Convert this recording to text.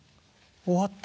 終わった。